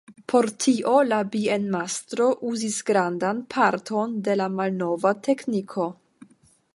Por tio la bienmastro uzis grandan parton de malnova tekniko.